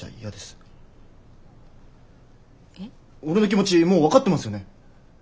俺の気持ちもう分かってますよね？